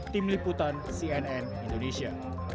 tim liputan cnn indonesia